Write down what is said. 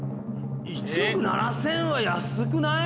１億７０００は安くない？